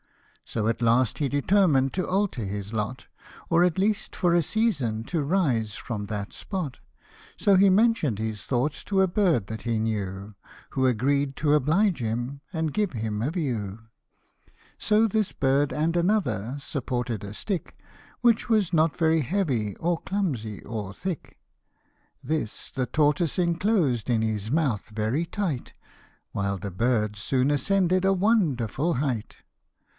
So at last he determined to alter his lot, Or at least for a season to rise from that spot ; So he mention'd his thoughts to a bird that he knew, Who agreed to oblige him and give him a view. t iHTC#sb I bluvfa ifcnaq 7 HI nwiVioT So this bird, and another, supported a stick, Which was not very heavy, or clumsy, or thick ; This the tortoise enclosed in his mouth very tight, While the birds soon ascended a wonderful height.